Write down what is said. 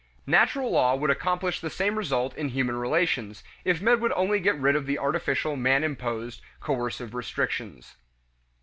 Natural law would accomplish the same result in human relations, if men would only get rid of the artificial man imposed coercive restrictions.